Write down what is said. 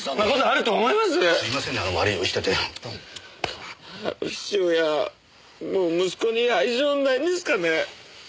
あの父親もう息子に愛情ないんですかね？